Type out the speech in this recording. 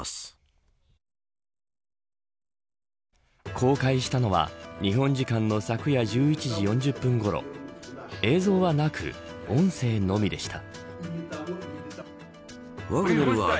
公開したのは日本時間の昨夜１１時４０分ごろ映像はなく、音声のみでした。